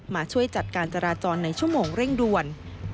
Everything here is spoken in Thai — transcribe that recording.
มาช่วยจัดการจราจรในชั่วโมงเร่งด่วน